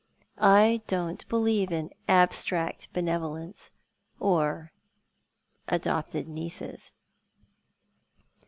I don't believe in abstract benevolence — or adopted nieces."